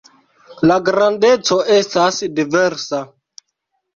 La grandeco estas diversa.